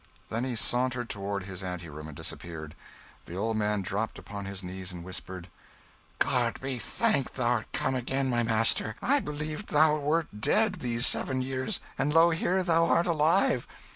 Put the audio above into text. Then he sauntered toward his ante room and disappeared. The old man dropped upon his knees and whispered "God be thanked, thou'rt come again, my master! I believed thou wert dead these seven years, and lo, here thou art alive!